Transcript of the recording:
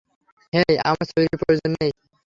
হেই, আমাদের ছুরির প্রয়োজন নেই।